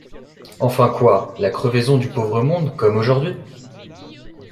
Enfin, quoi ! la crevaison du pauvre monde, comme aujourd’hui !